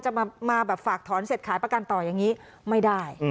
จะมาแบบฝากถอนเสร็จขายประกันต่ออย่างนี้ไม่ได้